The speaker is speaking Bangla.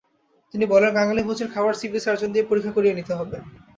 তিনি বলেন, কাঙালিভোজের খাবার সিভিল সার্জন দিয়ে পরীক্ষা করিয়ে নিতে হবে।